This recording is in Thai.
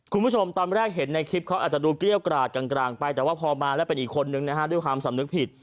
คุณผู้ชมตอนแรกเห็นในคลิปเขาอาจจะดูเกรี้ยวกราดกลางไปแต่ว่าพอมาแล้วเป็นอีกคนนึงนะฮะด้วยความสำนึกผิด